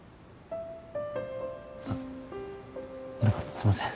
あっ何かすいません。